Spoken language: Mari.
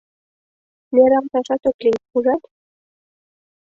— Нералташат ок лий, ужат...